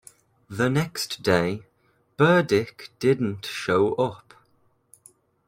The next day, Burdick didn't show up.